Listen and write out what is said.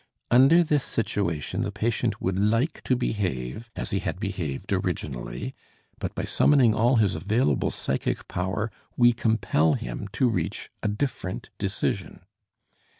Under this situation the patient would like to behave as he had behaved originally, but by summoning all his available psychic power we compel him to reach a different decision.